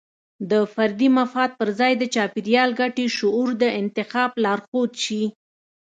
د فردي مفاد پر ځای د چاپیریال ګټې شعور د انتخاب لارښود شي.